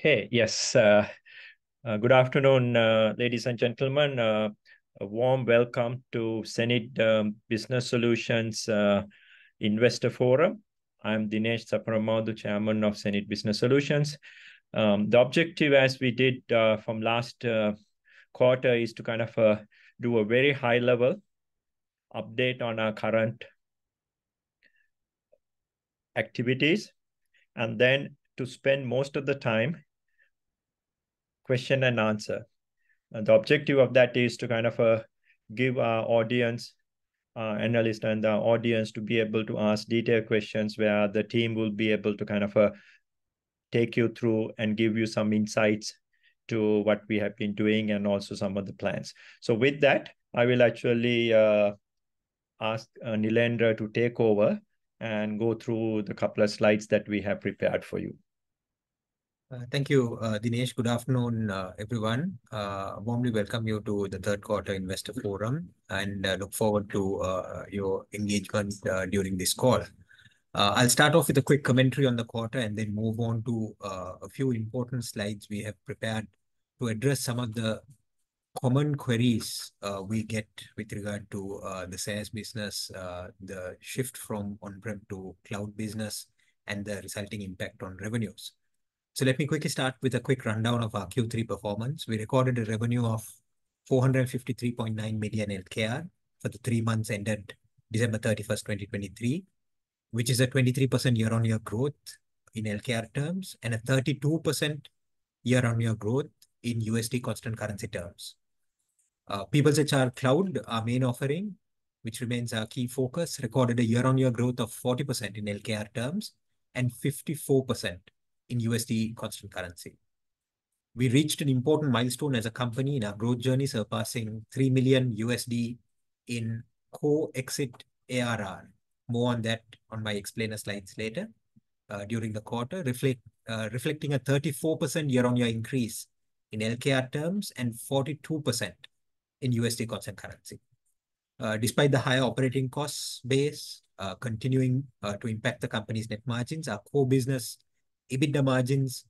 Okay, yes. Good afternoon, ladies and gentlemen. A warm welcome to hSenid Business Solutions Investor Forum. I'm Dinesh Saparamadu, Chairman of hSenid Business Solutions. The objective, as we did from last quarter, is to kind of do a very high-level update on our current activities. And then to spend most of the time question and answer. And the objective of that is to kind of give our audience analysts and the audience to be able to ask detailed questions where the team will be able to kind of take you through and give you some insights to what we have been doing and also some of the plans. So with that, I will actually ask Nilendra to take over and go through the couple of slides that we have prepared for you. Thank you, Dinesh. Good afternoon, everyone. Warmly welcome you to the third quarter Investor Forum, and look forward to your engagement during this call. I'll start off with a quick commentary on the quarter and then move on to a few important slides we have prepared to address some of the common queries we get with regard to the sales business, the shift from on-prem to cloud business and the resulting impact on revenues. So let me quickly start with a quick rundown of our Q3 performance. We recorded a revenue of LKR 453.9 million for the three months ended December 31st, 2023, which is a 23% year-on-year growth in LKR terms and a 32% year-on-year growth in USD constant currency terms. PeoplesHR Cloud, our main offering which remains our key focus, recorded a year-on-year growth of 40% in LKR terms and 54% in USD constant currency. We reached an important milestone as a company in our growth journey, surpassing $3 million in core exit ARR. More on that on my explainer slides later. During the quarter, reflecting a 34% year-on-year increase in LKR terms and 42% in USD constant currency. Despite the higher operating cost base, continuing to impact the company's net margins, our core-business EBITDA margins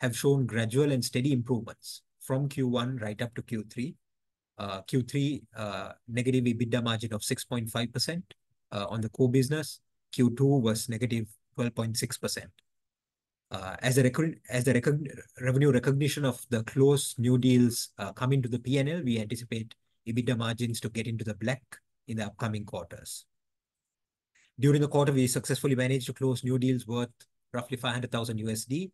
have shown gradual and steady improvements from Q1 right up to Q3. Q3, negative EBITDA margin of 6.5% on the core business. Q2 was -12.6%. As revenue recognition of the closed new deals coming to the P&L, we anticipate EBITDA margins to get into the black in the upcoming quarters. During the quarter, we successfully managed to close new deals worth roughly $500,000.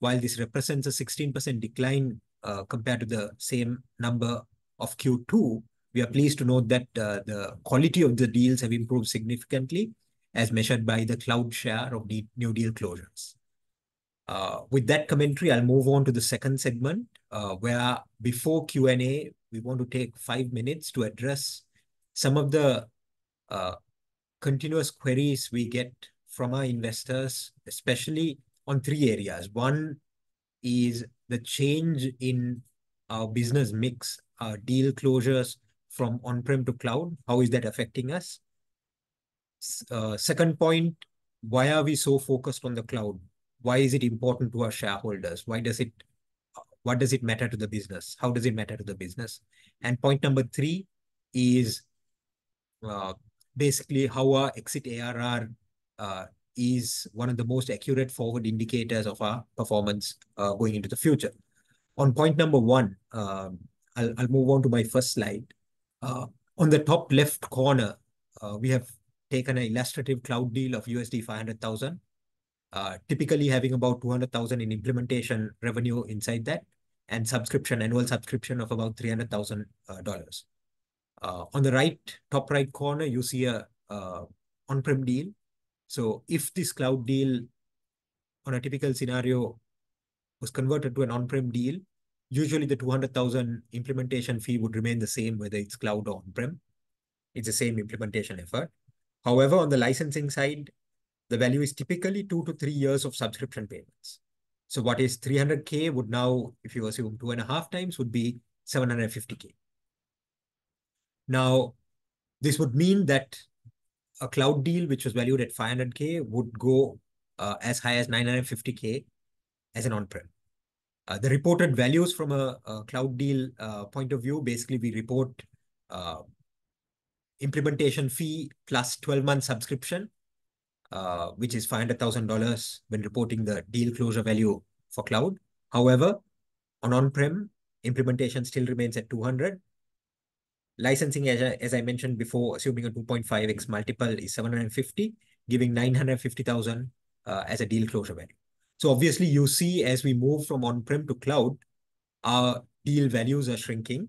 While this represents a 16% decline compared to the same number of Q2, we are pleased to note that the quality of the deals have improved significantly, as measured by the cloud share of new deal closures. With that commentary, I'll move on to the second segment, where before Q&A, we want to take five min to address some of the continuous queries we get from our investors, especially on three areas. One is the change in our business mix, our deal closures from on-prem to cloud. How is that affecting us? Second point, why are we so focused on the cloud? Why is it important to our shareholders? Why does it, what does it matter to the business? How does it matter to the business? And point number three is basically how our exit ARR is one of the most accurate forward indicators of our performance going into the future. On point number one, I'll move on to my first slide. On the top left corner, we have taken an illustrative cloud deal of $500,000. Typically having about $200,000 in implementation revenue inside that. And subscription, annual subscription of about $300,000. On the right, top right corner, you see a on-prem deal. So if this cloud deal on a typical scenario was converted to an on-prem deal, usually the $200,000 implementation fee would remain the same, whether it's cloud or on-prem. It's the same implementation effort. However, on the licensing side the value is typically two to three years of subscription payments. So what is $300,000 would now, if you assume 2.5x, would be $750,000. Now this would mean that a cloud deal which was valued at $500,000 would go as high as $950,000 as an on-prem. The reported values from a cloud deal point of view, basically we report implementation fee +12 month subscription. Which is $500,000 when reporting the deal closure value for cloud. However, on on-prem, implementation still remains at $200,000. Licensing, as I mentioned before, assuming a 2.5x multiple is $750,000, giving $950,000 as a deal closure value. So obviously you see as we move from on-prem to cloud our deal values are shrinking.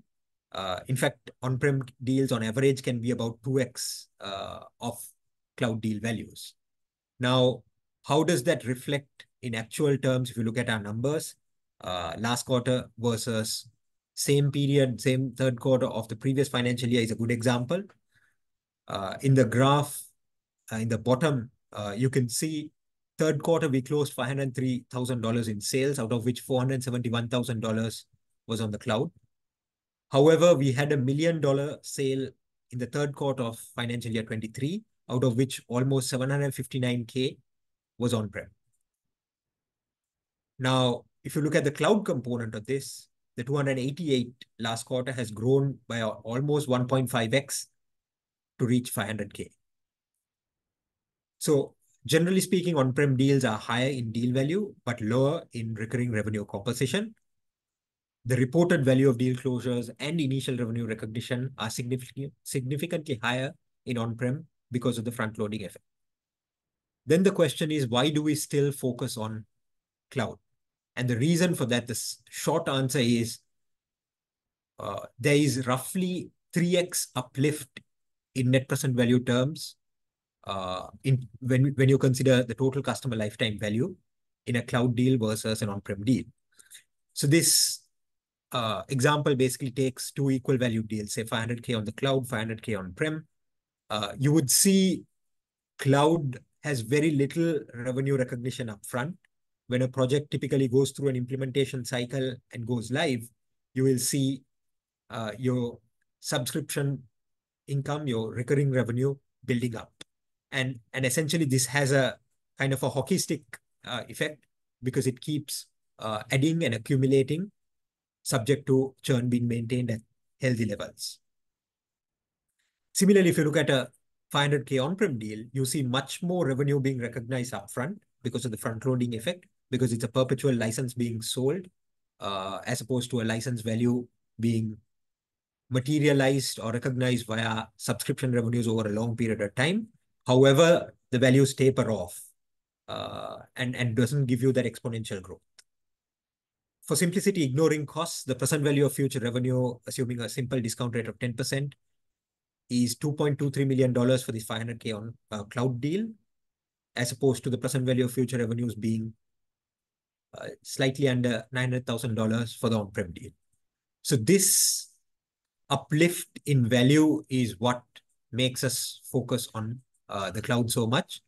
In fact, on-prem deals on average can be about 2x of cloud deal values. Now, how does that reflect in actual terms if you look at our numbers? Last quarter versus same period, same 3rd quarter of the previous financial year is a good example. In the graph in the bottom, you can see third quarter we closed $503,000 in sales, out of which $471,000 was on the cloud. However, we had a $1 million sale in the third quarter of financial year 2023, out of which almost $759,000 was on-prem. Now, if you look at the cloud component of this, the $288,000 last quarter has grown by almost 1.5x to reach $500,000. So generally speaking, on-prem deals are higher in deal value, but lower in recurring revenue compensation. The reported value of deal closures and initial revenue recognition are significantly higher in on-prem because of the front-loading effect. Then the question is, why do we still focus on cloud? And the reason for that, the short answer is, there is roughly 3x uplift in net present value terms when you consider the total customer lifetime value in a cloud deal versus an on-prem deal. So this example basically takes two equal value deals, say $500,000 on the cloud, $500,000 on-prem. You would see. Cloud has very little revenue recognition upfront. When a project typically goes through an implementation cycle and goes live, you will see your subscription income, your recurring revenue building up. And essentially this has a kind of a hockey stick effect because it keeps adding and accumulating. Subject to churn being maintained at healthy levels. Similarly, if you look at a $500,000 on-prem deal, you see much more revenue being recognized upfront because of the front-loading effect, because it's a perpetual license being sold as opposed to a license value being materialized or recognized via subscription revenues over a long period of time. However, the values taper off and doesn't give you that exponential growth. For simplicity, ignoring costs, the present value of future revenue, assuming a simple discount rate of 10%, is $2.23 million for this $500,000 on cloud deal. As opposed to the present value of future revenues being slightly under $900,000 for the on-prem deal. So this uplift in value is what makes us focus on the cloud so much.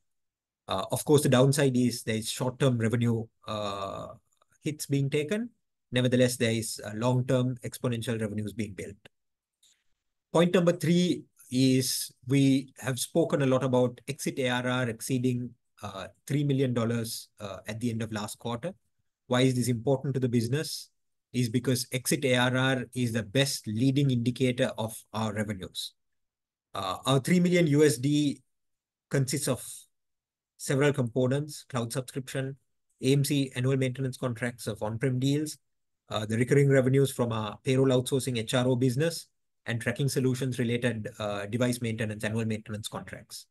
Of course, the downside is there's short-term revenue hits being taken. Nevertheless, there's long-term exponential revenues being built. Point number three is we have spoken a lot about exit ARR exceeding $3 million at the end of last quarter. Why is this important to the business? It is because exit ARR is the best leading indicator of our revenues. Our $3 million consists of several components: cloud subscription, AMC annual maintenance contracts of on-prem deals. The recurring revenues from our payroll outsourcing HRO business and tracking solutions related device maintenance annual maintenance contracts.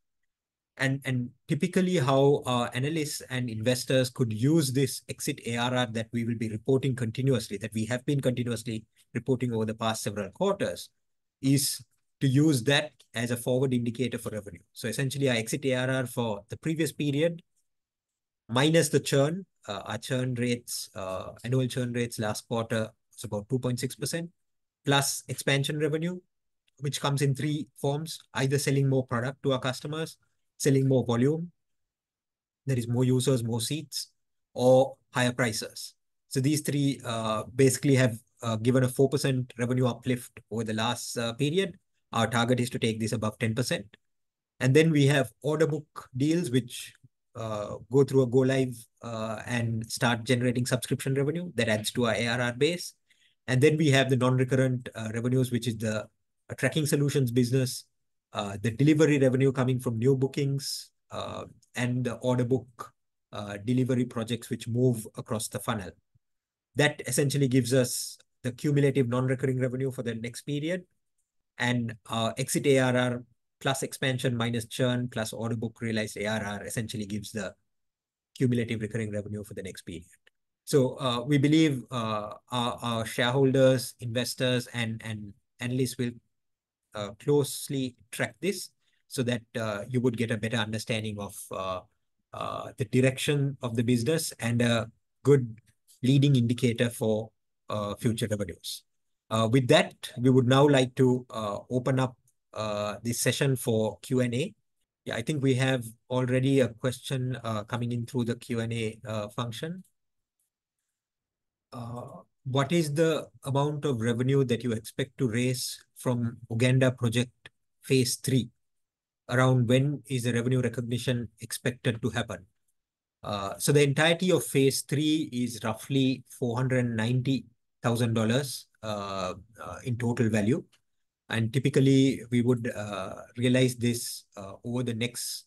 Typically how our analysts and investors could use this exit ARR that we will be reporting continuously, that we have been continuously reporting over the past several quarters... is to use that as a forward indicator for revenue. So essentially our exit ARR for the previous period minus the churn, our churn rates, annual churn rates last quarter was about 2.6%. Plus expansion revenue which comes in three forms: either selling more product to our customers, selling more volume... there are more users, more seats or higher prices. So these three basically have given a 4% revenue uplift over the last period. Our target is to take this above 10%. And then we have order book deals which go through a go live and start generating subscription revenue that adds to our ARR base. And then we have the non-recurrent revenues, which is the tracking solutions business. The delivery revenue coming from new bookings and the order book delivery projects which move across the funnel. That essentially gives us the cumulative non-recurring revenue for the next period. And our exit ARR plus expansion minus churn plus order book realized ARR essentially gives the cumulative recurring revenue for the next period. So we believe our shareholders, investors, and analysts will closely track this so that you would get a better understanding of the direction of the business and a good... leading indicator for future revenues. With that, we would now like to open up this session for Q&A. Yeah, I think we have already a question coming in through the Q&A function. What is the amount of revenue that you expect to raise from Uganda project phase 3? Around when is the revenue recognition expected to happen? So the entirety of phase 3 is roughly $490,000 in total value. And typically we would realize this over the next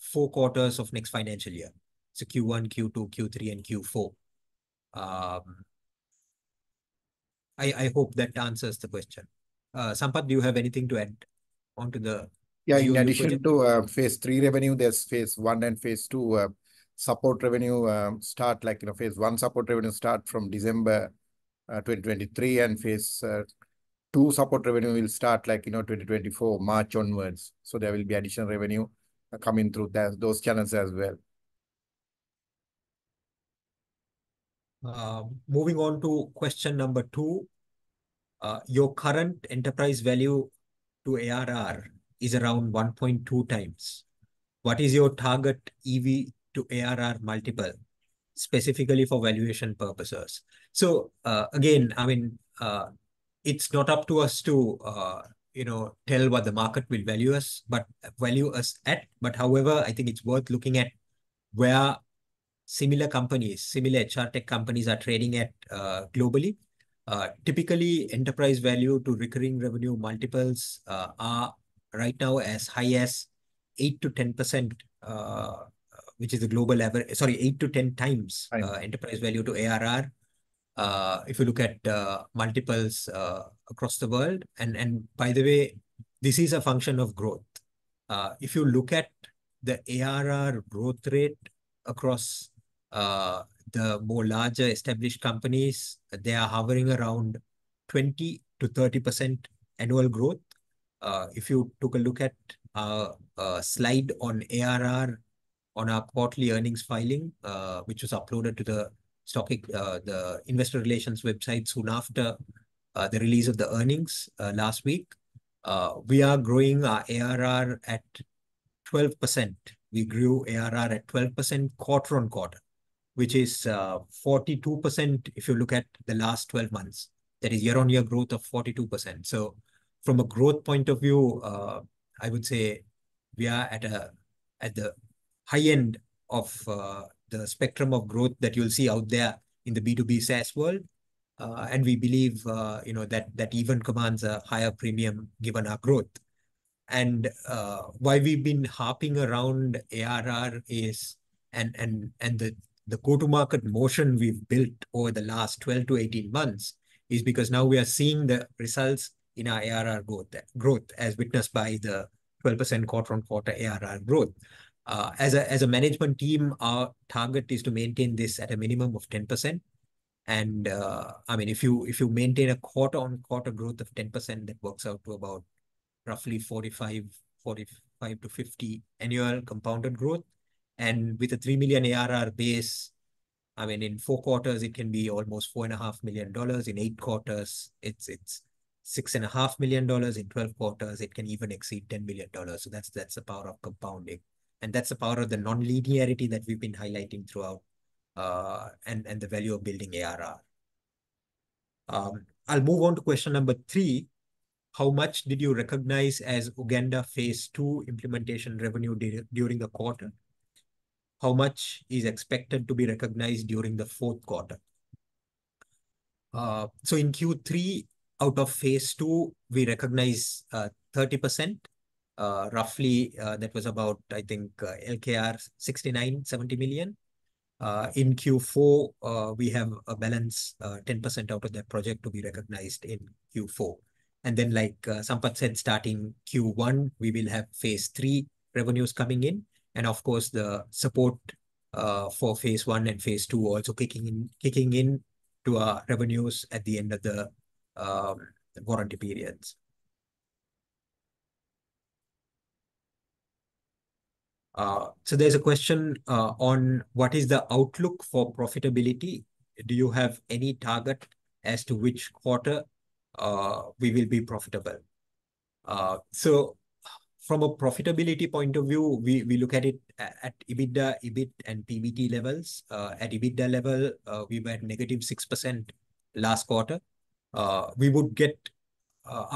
four quarters of next financial year. So Q1, Q2, Q3, and Q4. I hope that answers the question. Sampath, do you have anything to add? Onto the. Yeah, in addition to phase 3 revenue, there's phase 1 and phase 2 support revenue start like, you know, phase 1 support revenue start from December 2023, and phase 2 support revenue will start like, you know, 2024, March onwards. So there will be additional revenue coming through those channels as well. Moving on to question number two. Your current enterprise value to ARR is around 1.2x. What is your target EV to ARR multiple? Specifically for valuation purposes. So again, I mean. It's not up to us to, you know, tell what the market will value us, but value us at, but however, I think it's worth looking at where similar companies, similar HR tech companies are trading at globally. Typically, enterprise value to recurring revenue multiples are right now as high as 8%-10%, which is the global average, sorry, 8 to 10 times enterprise value to ARR. If you look at multiples across the world, and by the way, this is a function of growth. If you look at the ARR growth rate across the more larger established companies, they are hovering around 20%-30% annual growth. If you took a look at our slide on ARR on our quarterly earnings filing, which was uploaded to the CSE, the investor relations website soon after the release of the earnings last week. We are growing our ARR at 12%. We grew ARR at 12% quarter-on-quarter. Which is 42% if you look at the last 12 months. That is year-on-year growth of 42%. So from a growth point of view, I would say we are at a at the high end of the spectrum of growth that you'll see out there in the B2B SaaS world. And we believe, you know, that that even commands a higher premium given our growth. And why we've been harping around ARR is and the go-to-market motion we've built over the last 12 to 18 months is because now we are seeing the results in our ARR growth as witnessed by the 12% quarter-on-quarter ARR growth. As a as a management team, our target is to maintain this at a minimum of 10%. And I mean, if you maintain a quarter-on-quarter growth of 10%, that works out to about roughly 45%-50% annual compounded growth. And with a $3 million ARR base I mean, in four quarters, it can be almost $4.5 million in eight quarters. It's $6.5 million in 12 quarters. It can even exceed $10 million. So that's the power of compounding. And that's the power of the non-linearity that we've been highlighting throughout. And the value of building ARR. I'll move on to question number three. How much did you recognize as Uganda phase 2 implementation revenue during the quarter? How much is expected to be recognized during the fourth quarter? So in Q3 out of phase 2, we recognize 30%. Roughly that was about, I think, LKR 69 million, LKR 70 million. In Q4, we have a balance 10% out of that project to be recognized in Q4. Then, like Sampath said, starting Q1, we will have phase 3 revenues coming in. Of course, the support for phase 1 and phase 2 also kicking in to our revenues at the end of the warranty periods. So there's a question on what is the outlook for profitability? Do you have any target as to which quarter we will be profitable? So from a profitability point of view, we look at it at EBITDA, EBIT, and PBT levels. At EBITDA level, we were at -6% last quarter. Our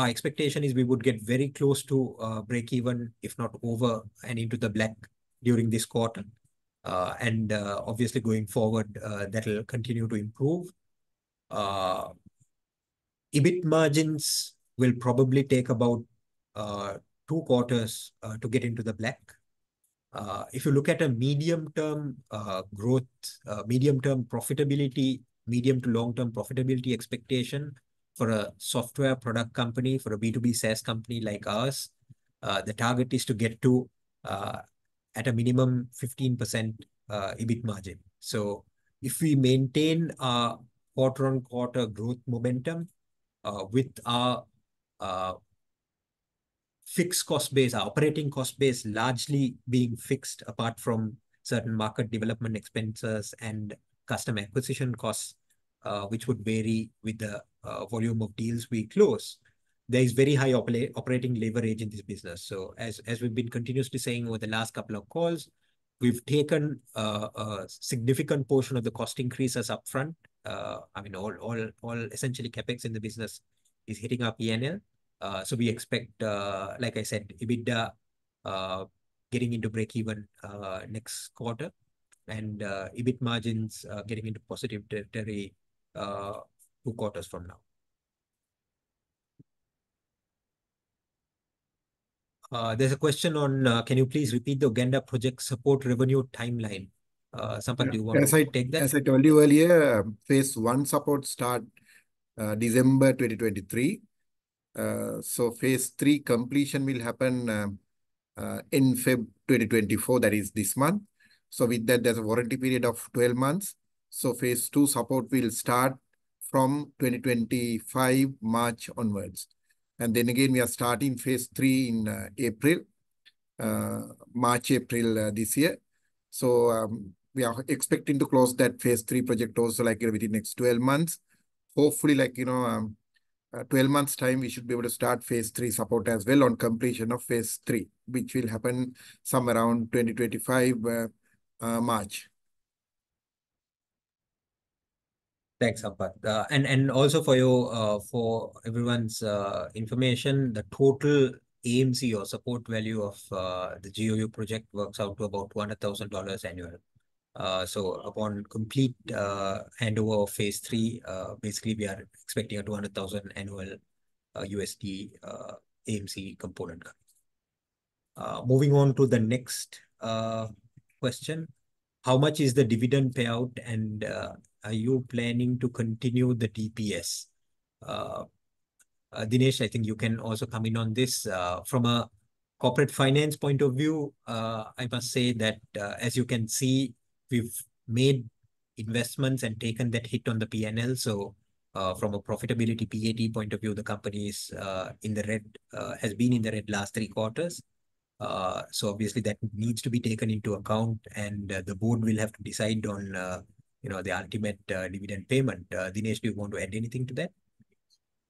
expectation is we would get very close to breakeven, if not over, and into the black during this quarter. Obviously going forward, that'll continue to improve. EBIT margins will probably take about two quarters to get into the black. If you look at a medium term growth, medium term profitability, medium to long term profitability expectation. For a software product company, for a B2B SaaS company like ours. The target is to get to at a minimum 15% EBIT margin. So if we maintain our quarter-on-quarter growth momentum with our fixed cost base, our operating cost base largely being fixed apart from certain market development expenses and customer acquisition costs, which would vary with the volume of deals we close. There's very high operating leverage in this business. So as as we've been continuously saying over the last couple of calls, we've taken a significant portion of the cost increases upfront. I mean, all essentially CapEx in the business is hitting up ENL. So we expect, like I said, EBITDA getting into break even next quarter. And EBIT margins getting into positive territory two quarters from now. There's a question on, can you please repeat the Uganda project support revenue timeline? Sampath, do you want to take that? As I told you earlier, phase 1 support started December 2023. So phase 3 completion will happen in February 2024, that is this month. So with that, there's a warranty period of 12 months. So phase 2 support will start from March 2025 onwards. And then again, we are starting phase 3 in April. March, April this year. So we are expecting to close that phase 3 project also like, you know, within next 12 months. Hopefully, like, you know, 12 months' time, we should be able to start phase 3 support as well on completion of phase 3, which will happen somewhere around March 2025. Thanks, Sampath. And also for you, for everyone's information, the total AMC or support value of the GOU project works out to about $200,000 annual. So upon complete handover of phase 3, basically we are expecting a $200,000 annual USD AMC component coming. Moving on to the next question. How much is the dividend payout and are you planning to continue the DPS? Dinesh, I think you can also come in on this. From a corporate finance point of view, I must say that as you can see, we've made investments and taken that hit on the P&L. So from a profitability PAT point of view, the company is in the red, has been in the red last three quarters. So obviously that needs to be taken into account and the board will have to decide on, you know, the ultimate dividend payment. Dinesh, do you want to add anything to that?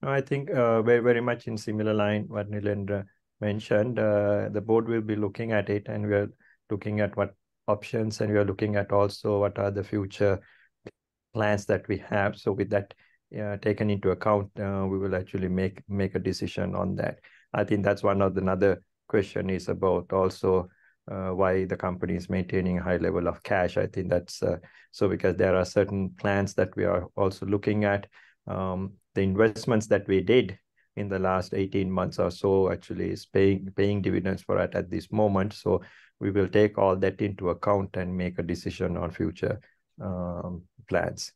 I think very, very much in similar line what Nilendra mentioned. The board will be looking at it and we are looking at what options and we are looking at also what are the future plans that we have. So with that taken into account, we will actually make a decision on that. I think that's one of the other questions is about also why the company is maintaining a high level of cash. I think that's so because there are certain plans that we are also looking at. The investments that we did in the last 18 months or so actually is paying dividends for it at this moment. So we will take all that into account and make a decision on future plans.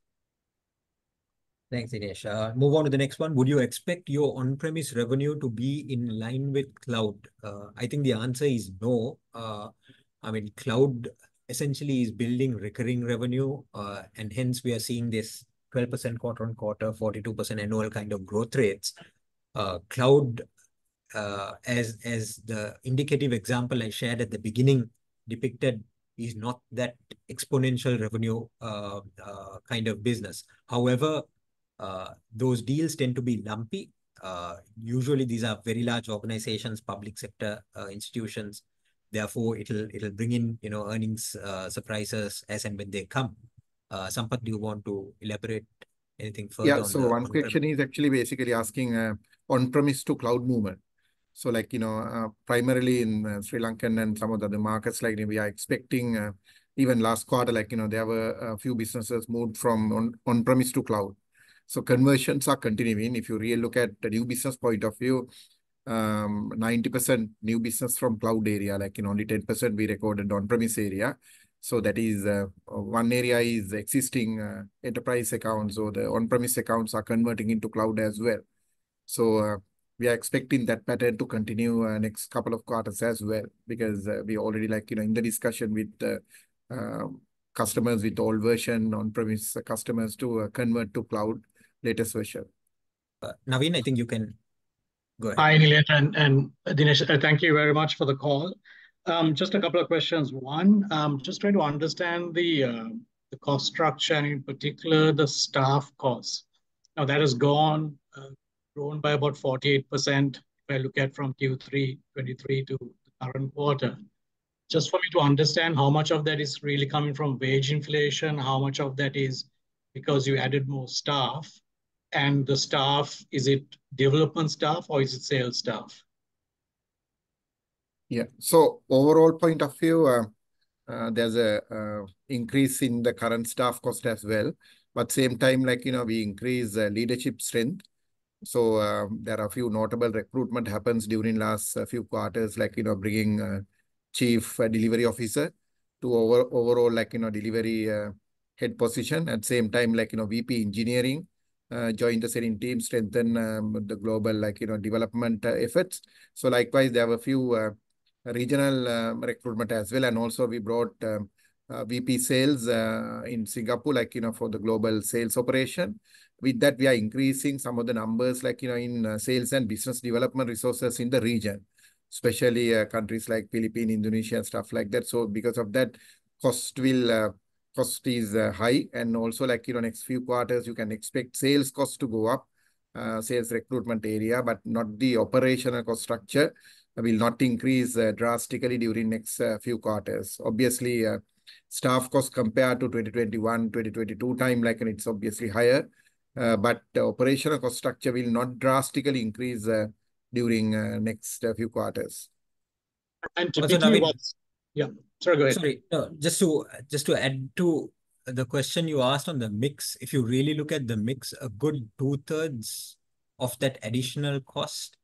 Thanks, Dinesh. Move on to the next one. Would you expect your On-Premise revenue to be in line with Cloud? I think the answer is no. I mean, Cloud essentially is building recurring revenue. And hence we are seeing this 12% quarter-on-quarter, 42% annual kind of growth rates. Cloud, as the indicative example I shared at the beginning, depicted is not that exponential revenue kind of business. However, those deals tend to be lumpy. Usually these are very large organizations, public sector institutions. Therefore it'll bring in, you know, earnings surprises as and when they come. Sampath, do you want to elaborate anything further on that? Yeah, so one question is actually basically asking on-premise to cloud movement. So like, you know, primarily in Sri Lankan and some of the other markets like India expecting even last quarter like, you know, there were a few businesses moved from on-premise to cloud. So conversions are continuing. If you really look at the new business point of view, 90% new business from cloud area like in only 10% we recorded on-premise area. So that is one area is existing enterprise accounts or the on-premise accounts are converting into cloud as well. So we are expecting that pattern to continue next couple of quarters as well because we already like, you know, in the discussion with the customers with old version on-premise customers to convert to cloud latest version. Naveen, I think you can go ahead. Hi Nilendra and Dinesh, thank you very much for the call. Just a couple of questions. One, just trying to understand the cost structure and in particular the staff cost. Now that has grown by about 48% if I look at from Q3 2023 to the current quarter. Just for me to understand how much of that is really coming from wage inflation, how much of that is because you added more staff. And the staff, is it development staff or is it sales staff? Yeah, so overall point of view, there's an increase in the current staff cost as well. But same time like, you know, we increase leadership strength. So there are a few notable recruitment happens during last few quarters like, you know, bringing Chief Delivery Officer to overall like, you know, delivery head position at same time like, you know, VP Engineering joined the same team strengthen the global like, you know, development efforts. So likewise there were a few regional recruitment as well and also we brought VP sales in Singapore like, you know, for the global sales operation. With that we are increasing some of the numbers like, you know, in sales and business development resources in the region. Especially countries like Philippines, Indonesia, stuff like that. So because of that cost will cost is high and also like, you know, next few quarters you can expect sales cost to go up. Sales recruitment area but not the operational cost structure will not increase drastically during next few quarters. Obviously staff cost compared to 2021, 2022 time like and it's obviously higher. But operational cost structure will not drastically increase during next few quarters. And to be yeah, sorry, go ahead. Sorry. Just to add to the question you asked on the mix, if you really look at the mix, a good two-thirds of that additional cost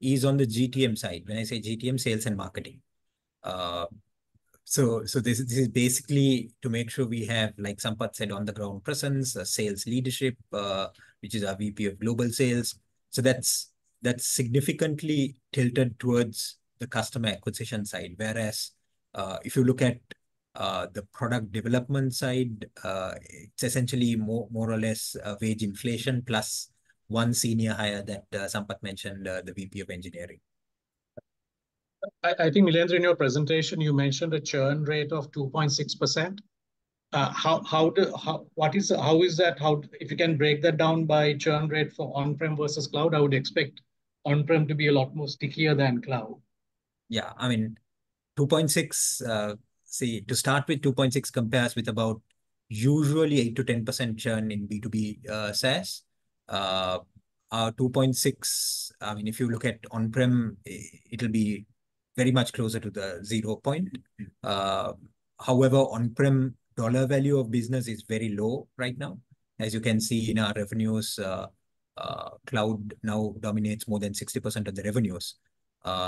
is on the GTM side. When I say GTM, sales and marketing. So this is basically to make sure we have, like Sampath said, on the ground presence, sales leadership, which is our VP of global sales. So that's significantly tilted towards the customer acquisition side. Whereas if you look at the product development side, it's essentially more or less wage inflation plus one senior hire that Sampath mentioned, the VP of engineering. I think Nilendra, in your presentation you mentioned a churn rate of 2.6%. If you can break that down by churn rate for on-prem versus cloud, I would expect on-prem to be a lot more stickier than cloud. Yeah, I mean, 2.6% to start with. 2.6% compares with about usually 8%-10% churn in B2B SaaS. Our 2.6% I mean, if you look at on-prem, it'll be very much closer to the zero point. However, on-prem dollar value of business is very low right now. As you can see in our revenues, cloud now dominates more than 60% of the revenues.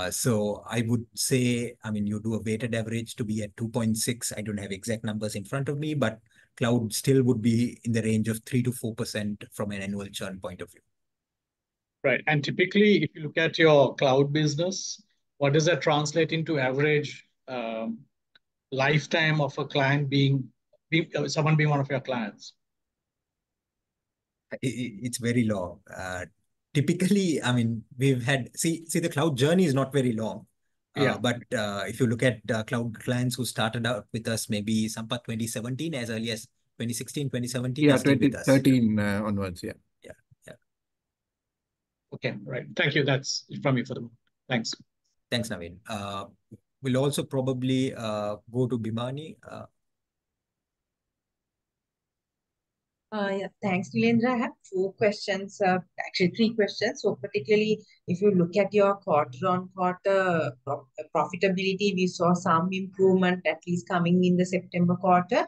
So I would say I mean, you do a weighted average to be at 2.6%. I don't have exact numbers in front of me, but cloud still would be in the range of 3%-4% from an annual churn point of view. Right. Typically if you look at your cloud business, what does that translate into average lifetime of a client being someone being one of your clients? It's very long. Typically I mean, we've had see the cloud journey is not very long. Yeah, but if you look at cloud clients who started out with us maybe Sampath 2017 as early as 2016, 2017. Yeah, 2013 onwards. Yeah. Yeah. Okay, right. Thank you. That's from me for the moment. Thanks. Thanks, Naveen. We'll also probably go to Bimani. Yeah, thanks, Nilendra. I have two questions. Actually three questions. So particularly if you look at your quarter on quarter profitability, we saw some improvement at least coming in the September quarter.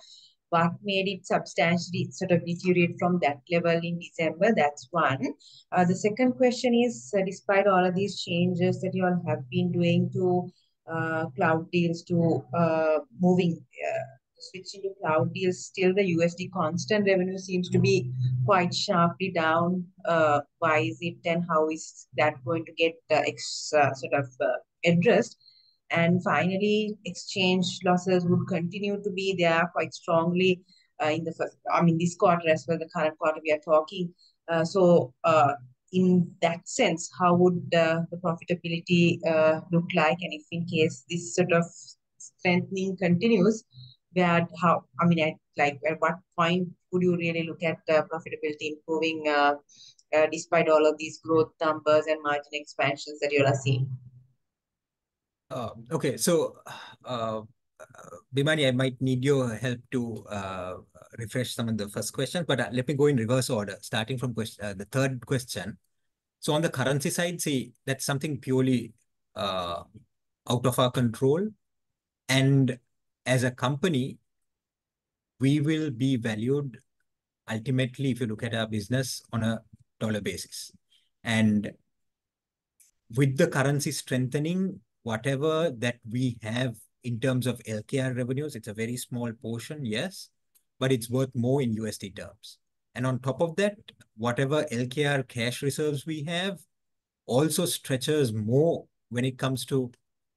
What made it substantially sort of deteriorate from that level in December? That's one. The second question is, despite all of these changes that you all have been doing to cloud deals to moving switching to cloud deals, still the USD constant revenue seems to be quite sharply down. Why is it and how is that going to get sort of addressed? And finally, exchange losses would continue to be there quite strongly in the first, I mean, this quarter as well the current quarter we are talking. So in that sense, how would the profitability look like and if in case this sort of strengthening continues that how, I mean, at like at what point would you really look at profitability improving despite all of these growth numbers and margin expansions that you are seeing? Okay, so Bimani, I might need your help to refresh some of the first questions, but let me go in reverse order starting from the third question. So on the currency side, see, that's something purely out of our control. As a company, we will be valued ultimately if you look at our business on a dollar basis. And with the currency strengthening, whatever that we have in terms of LKR revenues, it's a very small portion, yes. But it's worth more in USD terms. And on top of that, whatever LKR cash reserves we have also stretches more when it comes to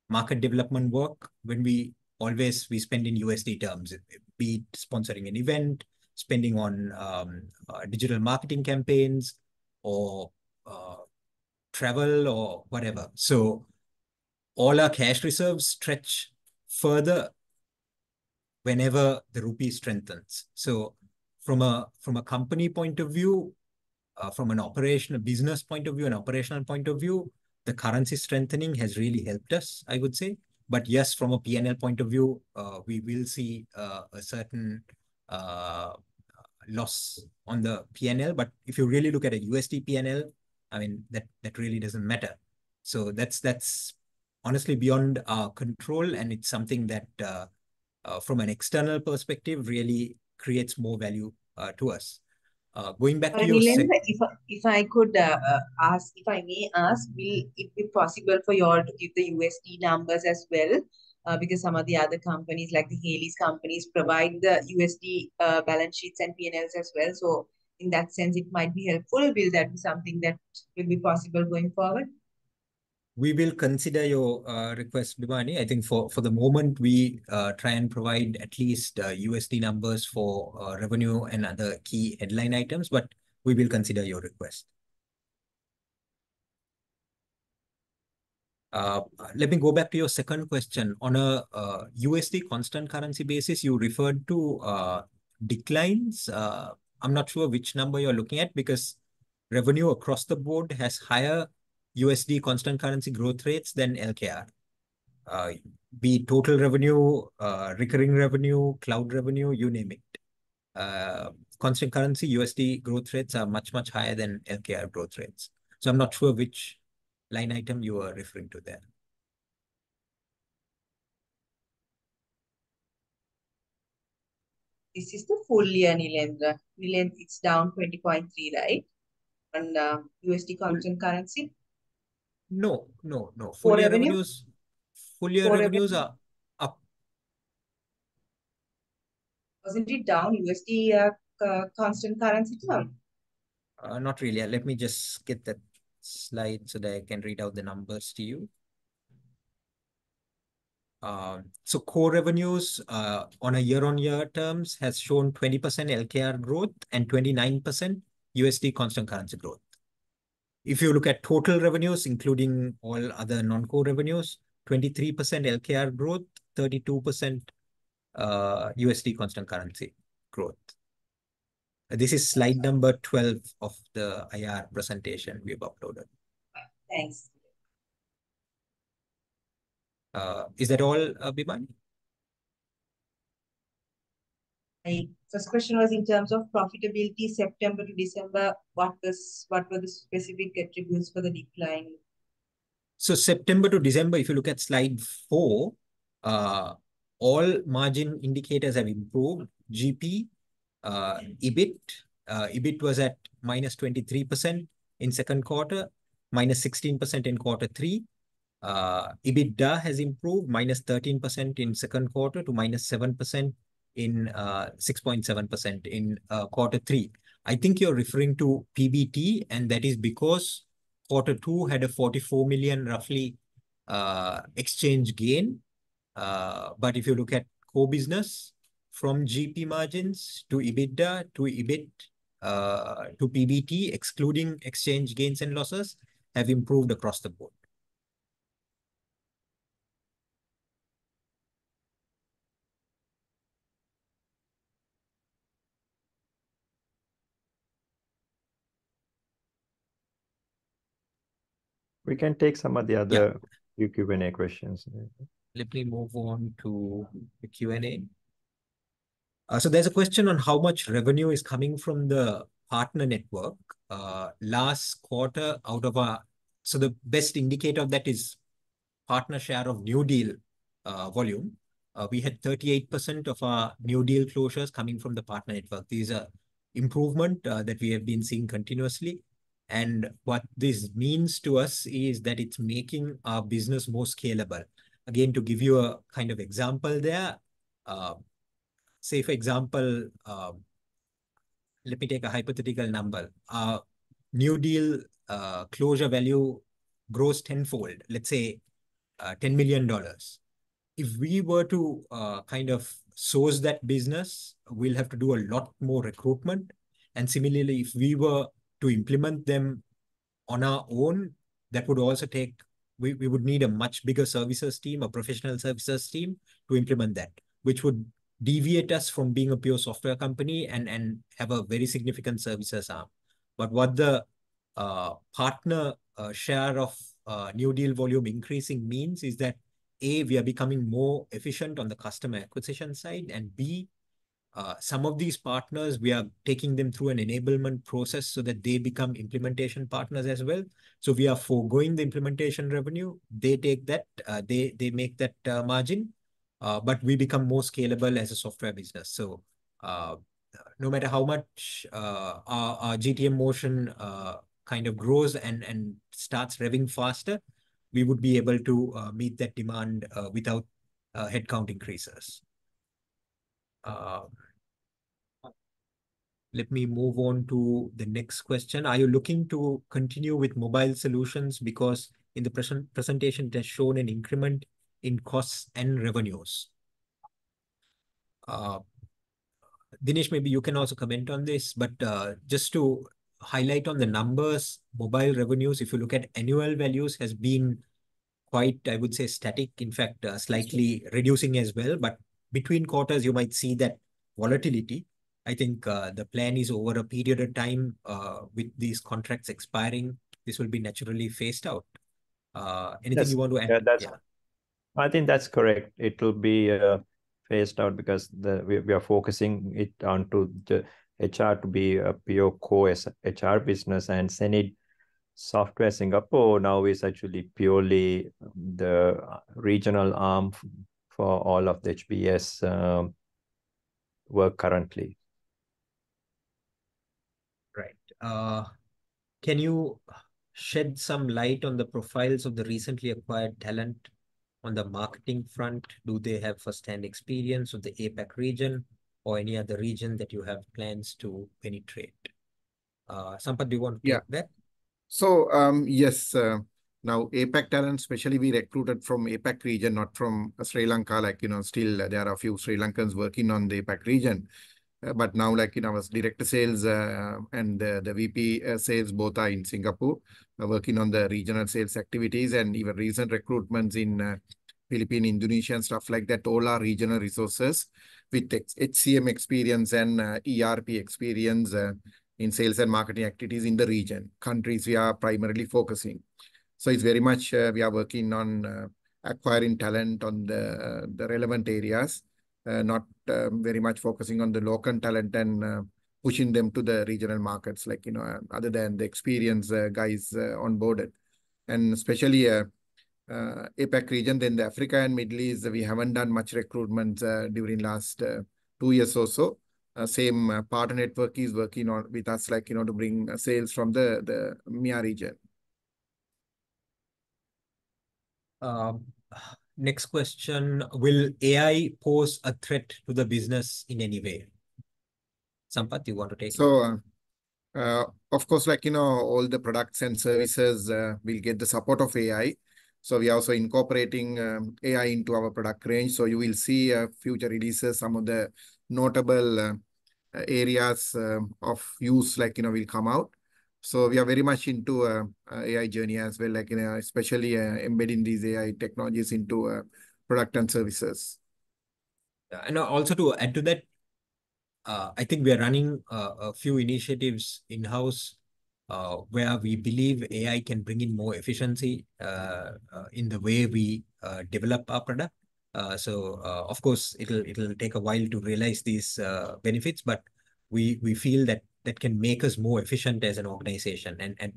market development work when we always spend in USD terms, be it sponsoring an event, spending on digital marketing campaigns, or travel or whatever. So all our cash reserves stretch further whenever the rupee strengthens. So from a company point of view, from an operational business point of view, an operational point of view, the currency strengthening has really helped us, I would say. But yes, from a P&L point of view, we will see a certain loss on the P&L. But if you really look at a USD P&L, I mean, that that really doesn't matter. So that's that's honestly beyond our control, and it's something that from an external perspective really creates more value to us. Going back to your. If I could ask, if I may ask, will it be possible for you all to give the USD numbers as well? Because some of the other companies like the Hayleys companies provide the USD balance sheets and P&Ls as well. So in that sense, it might be helpful. Will that be something that will be possible going forward? We will consider your request, Bimani. I think for for the moment we try and provide at least USD numbers for revenue and other key headline items, but we will consider your request. Let me go back to your second question. On a USD constant currency basis, you referred to declines. I'm not sure which number you're looking at because revenue across the board has higher USD constant currency growth rates than LKR. Be it total revenue, recurring revenue, cloud revenue, you name it. Constant currency USD growth rates are much, much higher than LKR growth rates. So I'm not sure which line item you are referring to there. This is the full year and Nilendra. Nilendra, it's down 20.3, right? On USD constant currency? No, no, no. Full year revenues. Full year revenues are up. Wasn't it down USD constant currency term? Not really. Let me just get that slide so that I can read out the numbers to you. So core revenues on a year-on-year terms has shown 20% LKR growth and 29% USD constant currency growth. If you look at total revenues including all other non-core revenues, 23% LKR growth, 32% USD constant currency growth. This is slide 12 of the IR presentation we have uploaded. Thanks. Is that all, Bimani? So this question was in terms of profitability September to December. What were the specific attributes for the decline? So September to December, if you look at slide 4, all margin indicators have improved. GP, EBIT was at -23% in second quarter, -16% in quarter three. EBITDA has improved -13% in second quarter to -7% in 6.7% in quarter three. I think you're referring to PBT, and that is because quarter two had a roughly LKR 44 million exchange gain. But if you look at core business from GP margins to EBITDA to EBIT to PBT, excluding exchange gains and losses, have improved across the board. We can take some of the other Q&A questions. Let me move on to the Q&A. So there's a question on how much revenue is coming from the partner network last quarter out of our. So the best indicator of that is partner share of new deal volume. We had 38% of our new deal closures coming from the partner network. These are improvements that we have been seeing continuously. And what this means to us is that it's making our business more scalable. Again, to give you a kind of example there. Safe example. Let me take a hypothetical number. New deal closure value grows tenfold, let's say $10 million. If we were to kind of source that business, we'll have to do a lot more recruitment. And similarly, if we were to implement them on our own, that would also take we would need a much bigger services team, a professional services team to implement that, which would deviate us from being a pure software company and and have a very significant services arm. But what the partner share of new deal volume increasing means is that, A, we are becoming more efficient on the customer acquisition side, and B, some of these partners, we are taking them through an enablement process so that they become implementation partners as well. So we are foregoing the implementation revenue. They take that. They they make that margin. But we become more scalable as a software business. So no matter how much our GTM motion kind of grows and starts revving faster, we would be able to meet that demand without headcount increases. Let me move on to the next question. Are you looking to continue with mobile solutions? Because in the presentation it has shown an increment in costs and revenues. Dinesh, maybe you can also comment on this, but just to highlight on the numbers, mobile revenues, if you look at annual values, has been quite, I would say, static. In fact, slightly reducing as well. But between quarters you might see that volatility. I think the plan is over a period of time with these contracts expiring, this will be naturally phased out. Anything you want to add? Yeah. I think that's correct. It will be phased out because we are focusing it onto HR to be a pure core HR business and hSenid Software Singapore. Now we're actually purely the regional arm for all of the HBS work currently. Right. Can you shed some light on the profiles of the recently acquired talent on the marketing front? Do they have firsthand experience of the APAC region or any other region that you have plans to penetrate? Sampath, do you want to go back? Yeah. So yes. Now, APAC talent, especially we recruited from APAC region, not from Sri Lanka. Like, you know, still there are a few Sri Lankans working on the APAC region. But now, like, you know, as director sales and the VP sales, both are in Singapore, working on the regional sales activities and even recent recruitments in Philippines, Indonesia, and stuff like that, all are regional resources with HCM experience and ERP experience in sales and marketing activities in the region countries we are primarily focusing. So it's very much we are working on acquiring talent on the relevant areas, not very much focusing on the local talent and pushing them to the regional markets, like, you know, other than the experience guys onboarded. And especially APAC region, then the Africa and Middle East, we haven't done much recruitment during the last two years or so. Same partner network is working on with us, like, you know, to bring sales from the MEA region. Next question. Will AI pose a threat to the business in any way? Sampath, do you want to take it? So, of course, like, you know, all the products and services will get the support of AI. So we are also incorporating AI into our product range. So you will see future releases, some of the notable areas of use, like, you know, will come out. So we are very much into an AI journey as well, like, you know, especially embedding these AI technologies into product and services. Yeah. And also to add to that, I think we are running a few initiatives in-house where we believe AI can bring in more efficiency in the way we develop our product. So, of course, it'll take a while to realize these benefits, but we feel that that can make us more efficient as an organization, and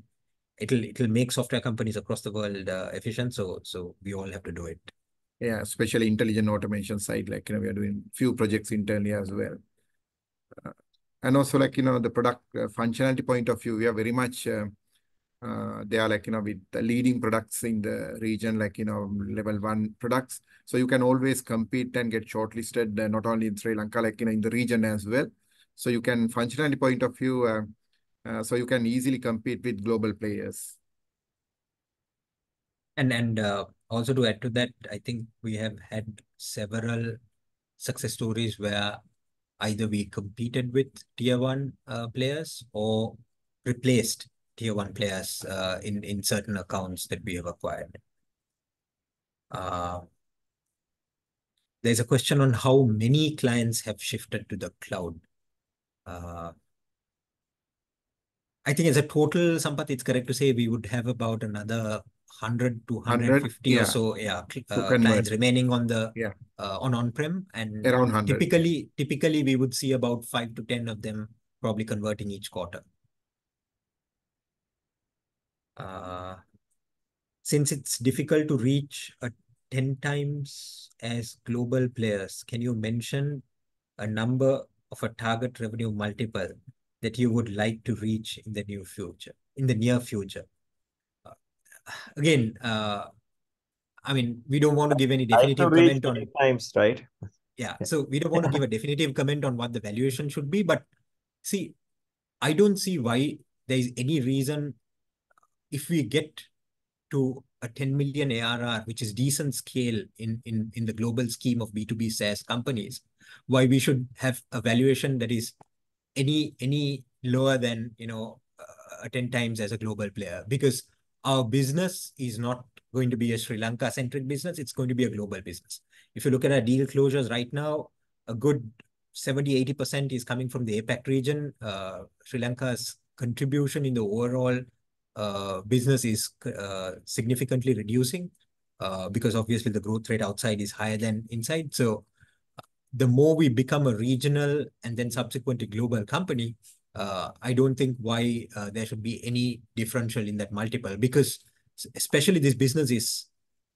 it'll make software companies across the world efficient. So we all have to do it. Yeah, especially intelligent automation side, like, you know, we are doing a few projects internally as well. And also, like, you know, the product functionality point of view, we are very much they are, like, you know, with the leading products in the region, like, you know, level one products. So you can always compete and get shortlisted, not only in Sri Lanka, like, you know, in the region as well. So you can functionality point of view. So you can easily compete with global players. And also to add to that, I think we have had several success stories where either we competed with Tier One players or replaced Tier One players in certain accounts that we have acquired. There's a question on how many clients have shifted to the cloud. I think as a total, Sampath, it's correct to say we would have about another 100-150 or so. Yeah. Clients remaining on the on-prem and around 100. Typically, we would see about five to 10 of them probably converting each quarter. Since it's difficult to reach 10x as global players, can you mention a number of a target revenue multiple that you would like to reach in the near future? Again, I mean, we don't want to give any definitive comment on it. Yeah. So we don't want to give a definitive comment on what the valuation should be. But see, I don't see why there's any reason if we get to a $10 million ARR, which is decent scale in the global scheme of B2B SaaS companies, why we should have a valuation that is any lower than, you know, 10x as a global player, because our business is not going to be a Sri Lanka-centric business. It's going to be a global business. If you look at our deal closures right now, a good 70%-80% is coming from the APAC region. Sri Lanka's contribution in the overall business is significantly reducing because, obviously, the growth rate outside is higher than inside. So the more we become a regional and then subsequently global company, I don't think why there should be any differential in that multiple, because especially this business is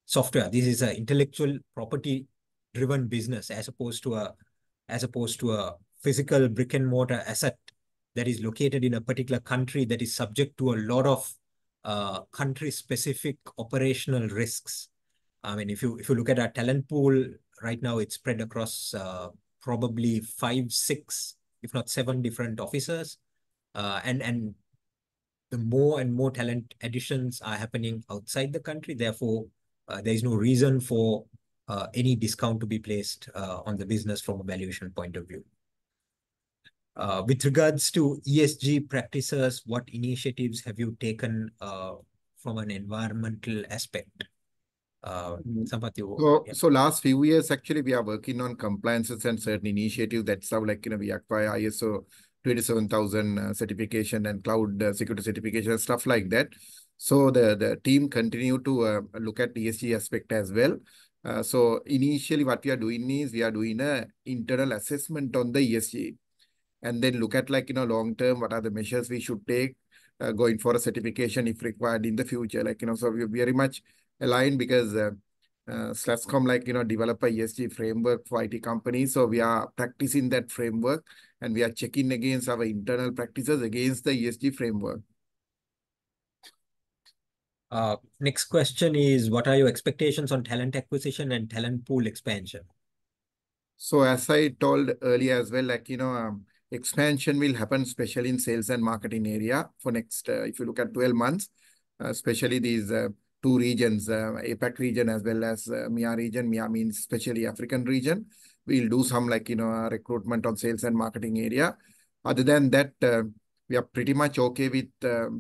software. This is an intellectual property-driven business as opposed to a physical brick-and-mortar asset that is located in a particular country that is subject to a lot of country-specific operational risks. I mean, if you look at our talent pool right now, it's spread across probably five, six, if not seven different offices. And the more and more talent additions are happening outside the country, therefore, there's no reason for any discount to be placed on the business from a valuation point of view. With regards to ESG practices, what initiatives have you taken from an environmental aspect? Sampath, you. So last few years, actually, we are working on compliances and certain initiatives that are like, you know, we acquire ISO 27001 certification and cloud security certification, stuff like that. So the team continues to look at the ESG aspect as well. So initially, what we are doing is we are doing an internal assessment on the ESG. And then look at, like, you know, long term, what are the measures we should take going for a certification if required in the future, like, you know, so we're very much aligned because SLASSCOM, like, you know, develops an ESG framework for IT companies. So we are practicing that framework. And we are checking against our internal practices against the ESG framework. Next question is, what are your expectations on Talent Acquisition and talent pool expansion? So as I told earlier as well, like, you know, expansion will happen, especially in sales and marketing area for next, if you look at 12 months, especially these 2 regions, APAC region as well as MEA region. MEA means especially African region. We'll do some, like, you know, recruitment on sales and marketing area. Other than that, we are pretty much okay with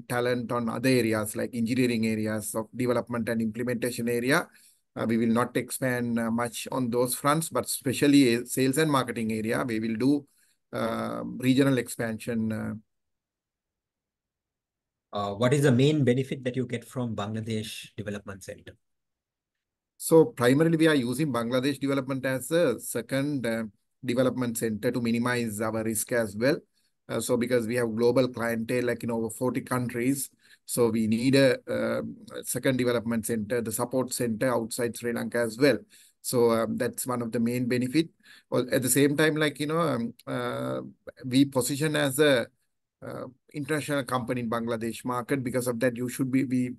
talent on other areas, like engineering areas of development and implementation area. We will not expand much on those fronts, but especially sales and marketing area, we will do regional expansion. What is the main benefit that you get from Bangladesh Development Center? So primarily, we are using Bangladesh Development as a second development center to minimize our risk as well. So because we have global clientele, like, you know, over 40 countries. So we need a second development center, the support center outside Sri Lanka as well. So that's one of the main benefits. At the same time, like, you know, we position as an international company in the Bangladesh market. Because of that,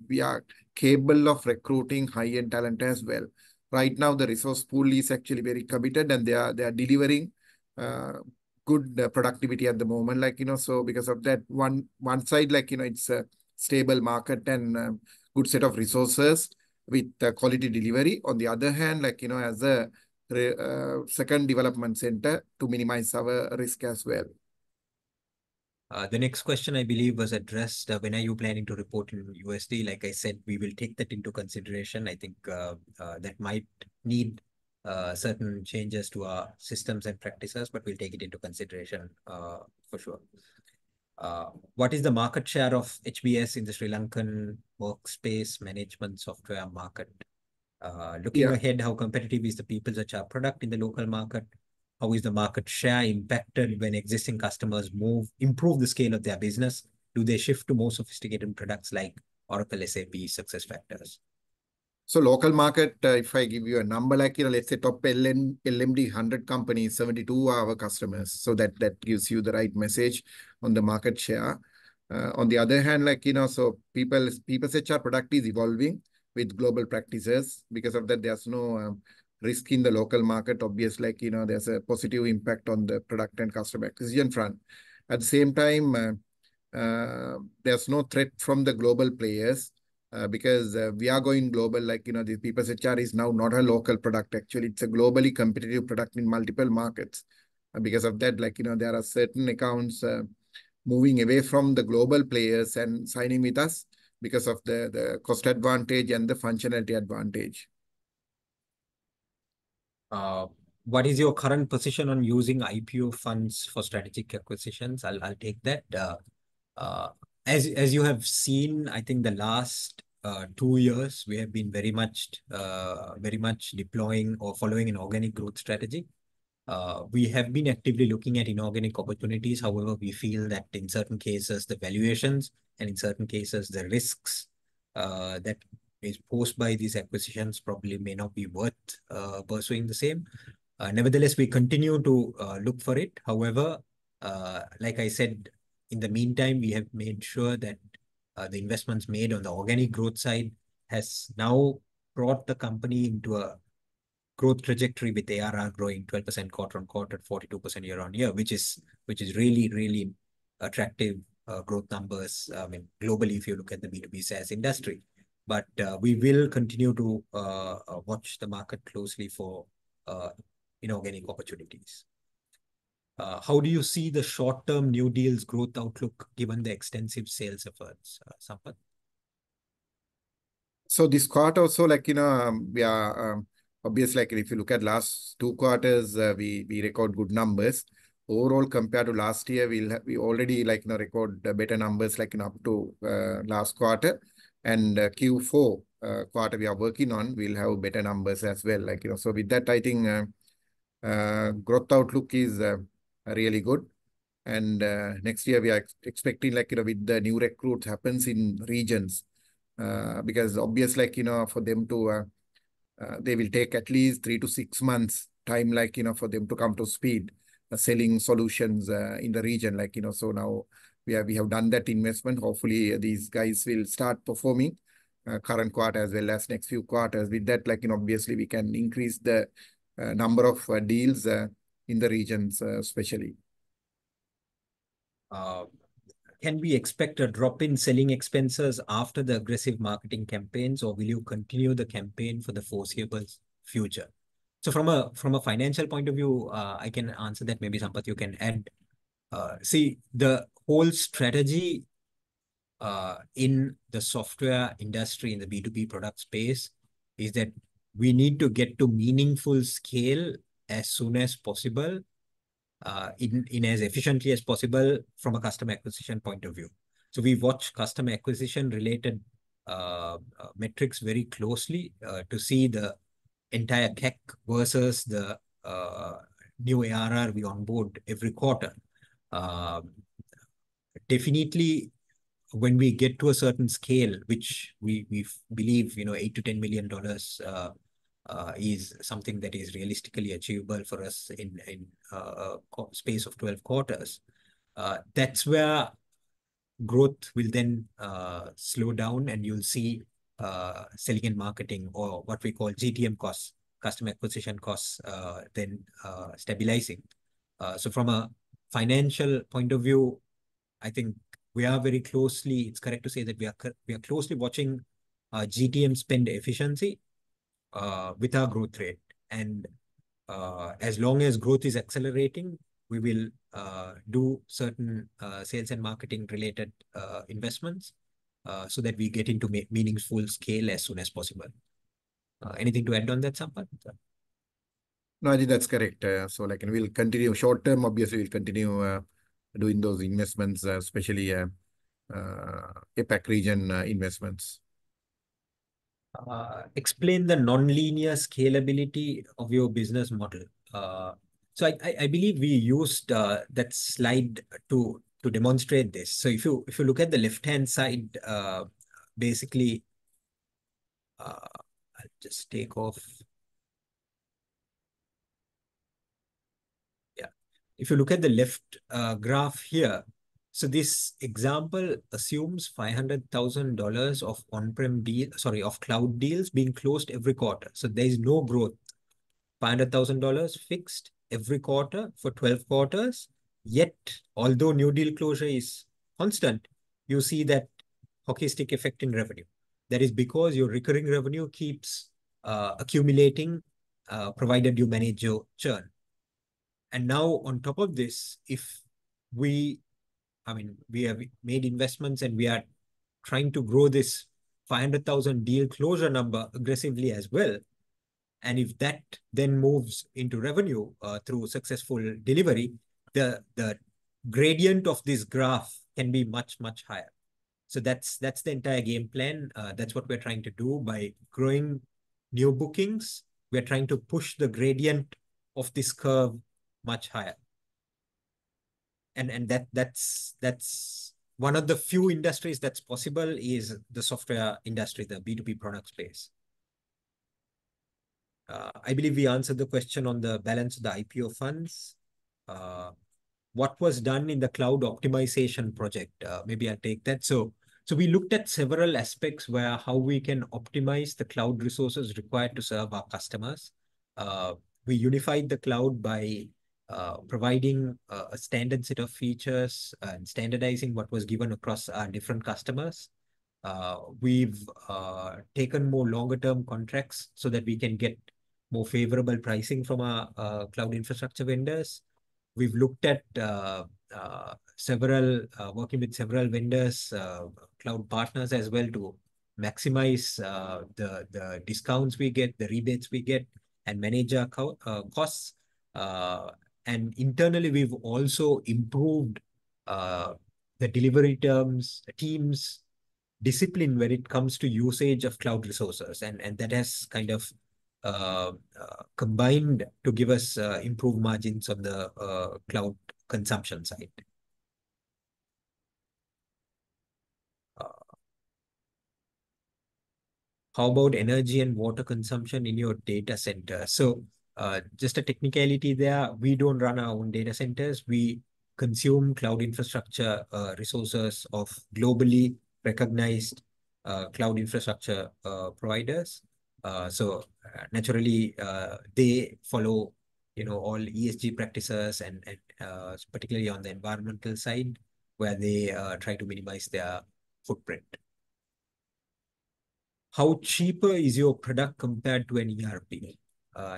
we are capable of recruiting high-end talent as well. Right now, the resource pool is actually very committed, and they are delivering good productivity at the moment, like, you know, so because of that, one side, like, you know, it's a stable market and a good set of resources with quality delivery. On the other hand, like, you know, as a second development center to minimize our risk as well. The next question, I believe, was addressed. When are you planning to report in USD? Like I said, we will take that into consideration. I think that might need certain changes to our systems and practices, but we'll take it into consideration for sure. What is the market share of HBS in the Sri Lankan workspace management software market? Looking ahead, how competitive is the PeoplesHR product in the local market? How is the market share impacted when existing customers move, improve the scale of their business? Do they shift to more sophisticated products like Oracle, SAP, SuccessFactors? So local market, if I give you a number, like, you know, let's say top LMD 100 companies, 72 are our customers. So that gives you the right message on the market share. On the other hand, like, you know, so PeoplesHR product is evolving with global practices. Because of that, there's no risk in the local market, obvious, like, you know, there's a positive impact on the product and customer acquisition front. At the same time, there's no threat from the global players. Because we are going global, like, you know, these PeoplesHR is now not a local product. Actually, it's a globally competitive product in multiple markets. Because of that, like, you know, there are certain accounts moving away from the global players and signing with us because of the cost advantage and the functionality advantage. What is your current position on using IPO funds for strategic acquisitions? I'll take that. As you have seen, I think the last two years, we have been very much deploying or following an organic growth strategy. We have been actively looking at inorganic opportunities. However, we feel that in certain cases, the valuations and in certain cases, the risks that are posed by these acquisitions probably may not be worth pursuing the same. Nevertheless, we continue to look for it. However, like I said, in the meantime, we have made sure that the investments made on the organic growth side have now brought the company into a growth trajectory with ARR growing 12% quarter-on-quarter and 42% year-on-year, which is really, really attractive growth numbers. I mean, globally, if you look at the B2B SaaS industry. But we will continue to watch the market closely for inorganic opportunities. How do you see the short-term new deals growth outlook given the extensive sales efforts? Sampath. So this quarter also, like, you know, we are obvious, like, if you look at the last two quarters, we record good numbers. Overall, compared to last year, we already, like, you know, record better numbers, like, you know, up to last quarter. Q4 quarter we are working on, we'll have better numbers as well, like, you know, so with that, I think growth outlook is really good. Next year, we are expecting, like, you know, with the new recruits happening in regions. Because obvious, like, you know, for them to, they will take at least three to six months time, like, you know, for them to come to speed selling solutions in the region, like, you know, so now we have done that investment. Hopefully, these guys will start performing current quarter as well as next few quarters. With that, like, you know, obviously, we can increase the number of deals in the regions, especially. Can we expect a drop in selling expenses after the aggressive marketing campaigns, or will you continue the campaign for the foreseeable future? So from a financial point of view, I can answer that. Maybe Sampath, you can add. See, the whole strategy in the software industry, in the B2B product space, is that we need to get to meaningful scale as soon as possible, as efficiently as possible from a customer acquisition point of view. So we watch customer acquisition-related metrics very closely to see the entire CAC versus the new ARR we onboard every quarter. Definitely, when we get to a certain scale, which we believe, you know, $8 million-$10 million is something that is realistically achievable for us in a space of 12 quarters. That's where growth will then slow down, and you'll see selling and marketing, or what we call GTM costs, customer acquisition costs, then stabilizing. So from a financial point of view, I think we are very closely; it's correct to say that we are closely watching GTM spend efficiency with our growth rate. As long as growth is accelerating, we will do certain sales and marketing-related investments so that we get into meaningful scale as soon as possible. Anything to add on that, Sampath? No, I think that's correct. So, like, we'll continue short term, obviously, we'll continue doing those investments, especially APAC region investments. Explain the nonlinear scalability of your business model. So I believe we used that slide to demonstrate this. So if you look at the left-hand side, basically, I'll just take off. Yeah. If you look at the left graph here, so this example assumes $500,000 of on-prem deals, sorry, of cloud deals being closed every quarter. So there's no growth. $500,000 fixed every quarter for 12 quarters. Yet, although new deal closure is constant, you see that hockey stick effect in revenue. That is because your recurring revenue keeps accumulating, provided you manage your churn. And now, on top of this, if we, I mean, we have made investments, and we are trying to grow this $500,000 deal closure number aggressively as well. And if that then moves into revenue through successful delivery, the gradient of this graph can be much, much higher. So that's the entire game plan. That's what we're trying to do by growing new bookings. We're trying to push the gradient of this curve much higher. And that's one of the few industries that's possible is the software industry, the B2B product space. I believe we answered the question on the balance of the IPO funds. What was done in the cloud optimization project? Maybe I'll take that. So we looked at several aspects where how we can optimize the cloud resources required to serve our customers. We unified the cloud by providing a standard set of features and standardizing what was given across our different customers. We've taken more longer-term contracts so that we can get more favorable pricing from our cloud infrastructure vendors. We've looked at working with several vendors, cloud partners as well, to maximize the discounts we get, the rebates we get, and manage our costs. Internally, we've also improved the delivery terms, teams, discipline when it comes to usage of cloud resources. That has kind of combined to give us improved margins on the cloud consumption side. How about energy and water consumption in your data center? So just a technicality there, we don't run our own data centers. We consume cloud infrastructure resources of globally recognized cloud infrastructure providers. So naturally, they follow, you know, all ESG practices, and particularly on the environmental side, where they try to minimize their footprint. How cheaper is your product compared to an ERP? I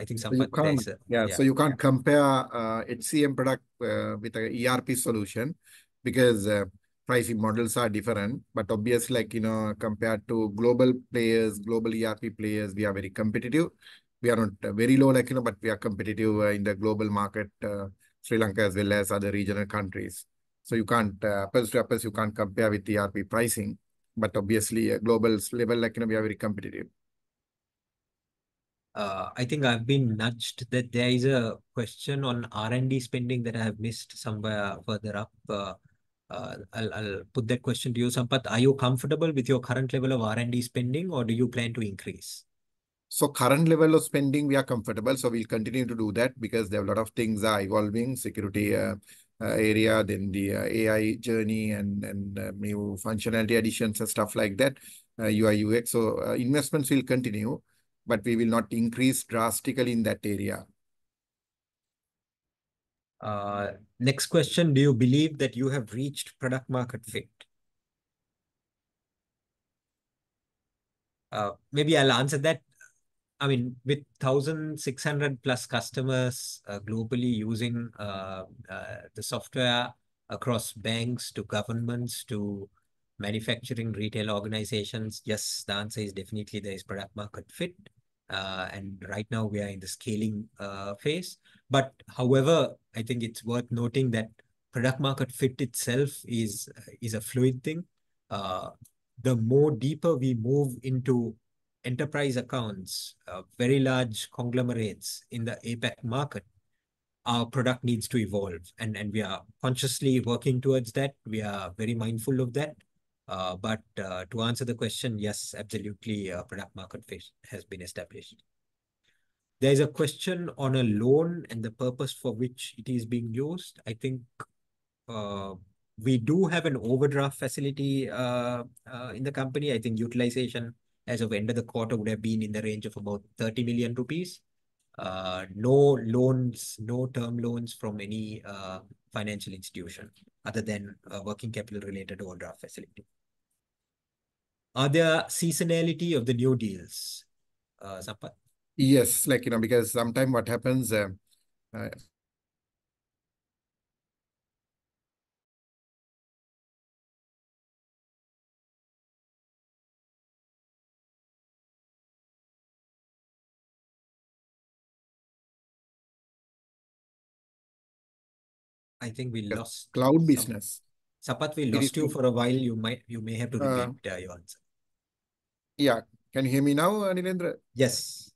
think someone can answer. Yeah. So you can't compare an HCM product with an ERP solution because pricing models are different. But obviously, like, you know, compared to global players, global ERP players, we are very competitive. We are not very low, like, you know, but we are competitive in the global market, Sri Lanka as well as other regional countries. So you can't apples to apples. You can't compare with ERP pricing. But obviously, global level, like, you know, we are very competitive. I think I've been nudged that there is a question on R&D spending that I have missed somewhere further up. I'll put that question to you, Sampath. Are you comfortable with your current level of R&D spending, or do you plan to increase? So current level of spending, we are comfortable. So we'll continue to do that because there are a lot of things evolving: security area, then the AI journey, and new functionality additions and stuff like that. UI/UX. So investments will continue. But we will not increase drastically in that area. Next question. Do you believe that you have reached product-market fit? Maybe I'll answer that. I mean, with 1,600+ customers globally using the software across banks to governments to manufacturing retail organizations, yes, the answer is definitely there is product-market fit. And right now, we are in the scaling phase. But however, I think it's worth noting that product-market fit itself is a fluid thing. The more deeper we move into enterprise accounts, very large conglomerates in the APAC market, our product needs to evolve. And we are consciously working towards that. We are very mindful of that. But to answer the question, yes, absolutely, product-market fit has been established. There's a question on a loan and the purpose for which it is being used. I think we do have an overdraft facility in the company. I think utilization as of the end of the quarter would have been in the range of about LKR 30 million. No loans, no term loans from any financial institution other than a working capital-related overdraft facility. Are there seasonality of the new deals? Sampath. Yes, like, you know, because sometimes what happens? I think we lost. Cloud business. Sampath, we lost you for a while. You may have to repeat your answer. Yeah. Can you hear me now, Nilendra? Yes.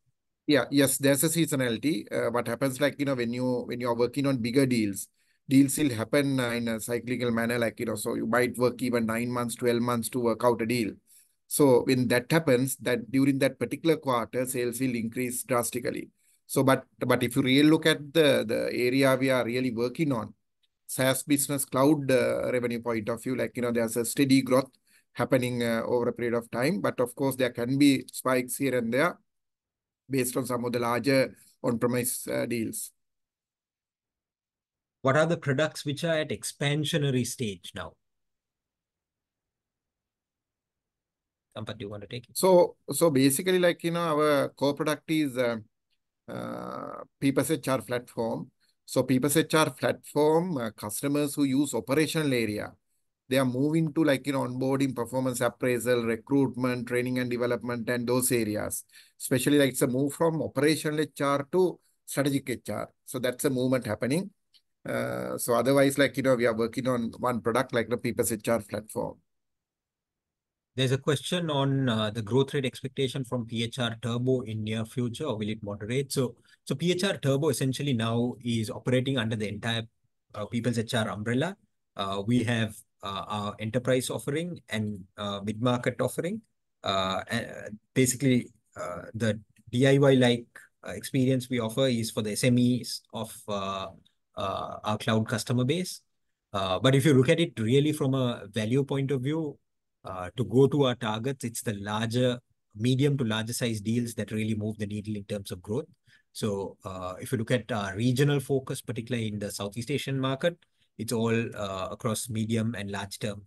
Yeah. Yes, there's a seasonality. What happens, like, you know, when you are working on bigger deals, deals will happen in a cyclical manner, like, you know, so you might work even nine months, 12 months to work out a deal. So when that happens, during that particular quarter, sales will increase drastically. But if you really look at the area we are really working on, SaaS business, cloud revenue point of view, like, you know, there's a steady growth happening over a period of time. But of course, there can be spikes here and there based on some of the larger on-premise deals. What are the products which are at expansionary stage now? Sampath, do you want to take it? So basically, like, you know, our core product is PeoplesHR platform. So PeoplesHR platform, customers who use operational area, they are moving to, like, you know, onboarding, performance appraisal, recruitment, training, and development, and those areas. Especially, like, it's a move from operational HR to strategic HR. So that's a movement happening. So otherwise, like, you know, we are working on one product, like, the PeoplesHR platform. There's a question on the growth rate expectation from PeoplesHR Turbo in the near future, or will it moderate? So PeoplesHR Turbo essentially now is operating under the entire PeoplesHR umbrella. We have our enterprise offering and mid-market offering. Basically, the DIY-like experience we offer is for the SMEs of our cloud customer base. But if you look at it really from a value point of view, to go to our targets, it's the larger medium to larger size deals that really move the needle in terms of growth. So if you look at our regional focus, particularly in the Southeast Asian market, it's all across medium and large-term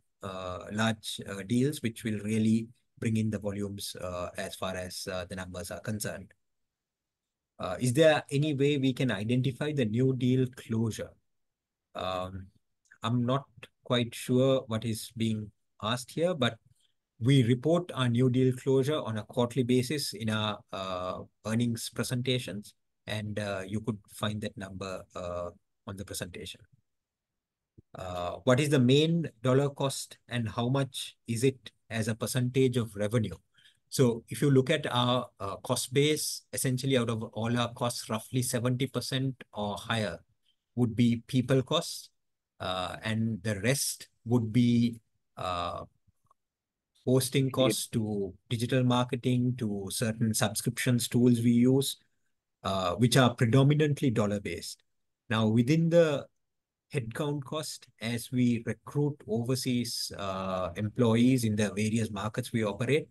large deals, which will really bring in the volumes as far as the numbers are concerned. Is there any way we can identify the new deal closure? I'm not quite sure what is being asked here, but we report our new deal closure on a quarterly basis in our earnings presentations. You could find that number on the presentation. What is the main dollar cost, and how much is it as a percentage of revenue? So if you look at our cost base, essentially out of all our costs, roughly 70% or higher would be people costs. The rest would be hosting costs to digital marketing to certain subscription tools we use, which are predominantly dollar-based. Now, within the headcount cost, as we recruit overseas employees in the various markets we operate,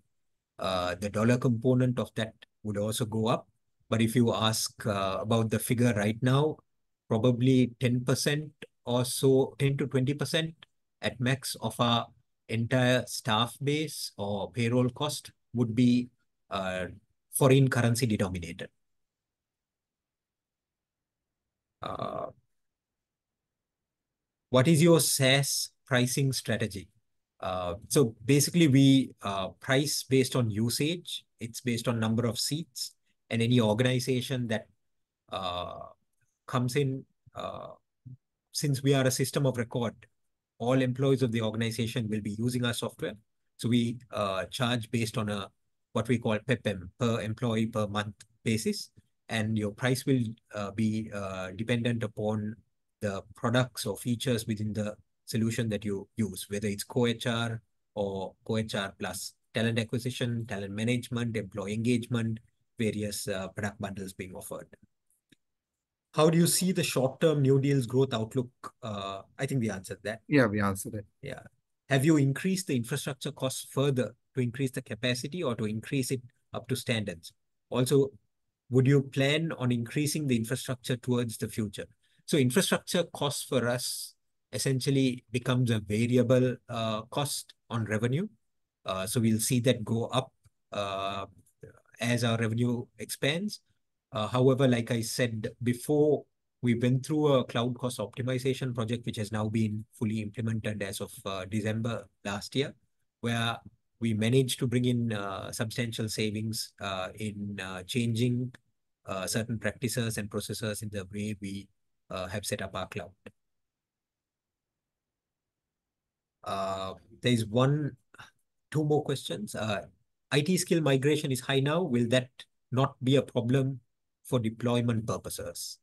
the dollar component of that would also go up. But if you ask about the figure right now, probably 10% or so, 10%-20% at max of our entire staff base or payroll cost would be foreign currency denominated. What is your SaaS pricing strategy? So basically, we price based on usage. It's based on the number of seats and any organization that comes in. Since we are a system of record, all employees of the organization will be using our software. So we charge based on what we call PEPM, per employee, per month basis. Your price will be dependent upon the products or features within the solution that you use, whether it's Core HR or Core HR plus Talent Acquisition, Talent Management, Employee Engagement, various product bundles being offered. How do you see the short-term new deals growth outlook? I think we answered that. Yeah, we answered it. Yeah. Have you increased the infrastructure costs further to increase the capacity or to increase it up to standards? Also, would you plan on increasing the infrastructure towards the future? So infrastructure costs for us essentially become a variable cost on revenue. So we'll see that go up as our revenue expands. However, like I said before, we've been through a cloud cost optimization project, which has now been fully implemented as of December last year, where we managed to bring in substantial savings in changing certain practices and processes in the way we have set up our cloud. There's one or two more questions. IT skill migration is high now. Will that not be a problem for deployment purposes?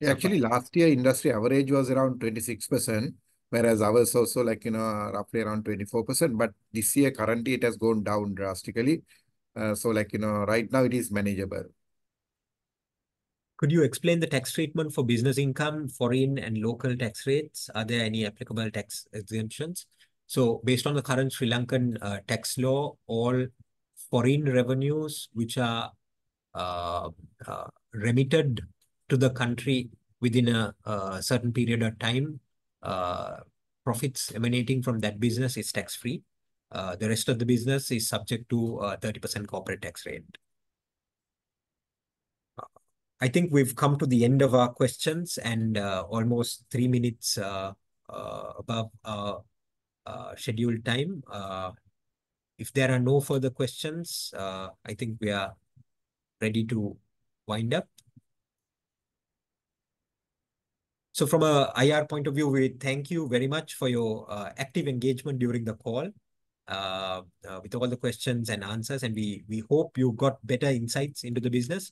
Yeah. Actually, last year, industry average was around 26%, whereas ours also, like, you know, roughly around 24%. But this year, currently, it has gone down drastically. So, like, you know, right now, it is manageable. Could you explain the tax treatment for business income, foreign and local tax rates? Are there any applicable tax exemptions? So based on the current Sri Lankan tax law, all foreign revenues which are remitted to the country within a certain period of time, profits emanating from that business is tax-free. The rest of the business is subject to a 30% corporate tax rate. I think we've come to the end of our questions and almost 3 min above scheduled time. If there are no further questions, I think we are ready to wind up. So from an IR point of view, we thank you very much for your active engagement during the call with all the questions and answers, and we hope you got better insights into the business.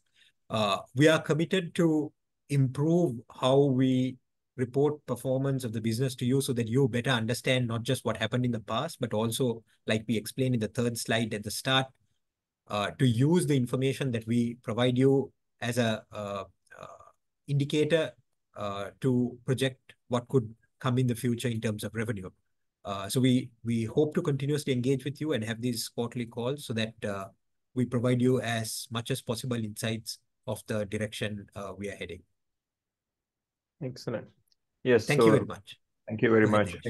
We are committed to improve how we report performance of the business to you so that you better understand not just what happened in the past, but also, like we explained in the third slide at the start, to use the information that we provide you as an indicator to project what could come in the future in terms of revenue. So we hope to continuously engage with you and have these quarterly calls so that we provide you as much as possible insights of the direction we are heading. Excellent. Yes. Thank you very much. Thank you very much.